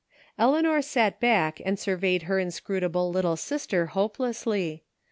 Eleanor sat back and surveyed her inscrutable little sister hopelessly.